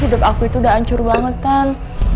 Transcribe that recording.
hidup aku itu udah hancur banget kan